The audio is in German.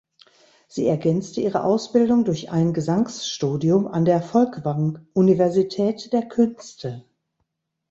Sie ergänzte ihre Ausbildung durch ein Gesangsstudium an der Folkwang Universität der Künste.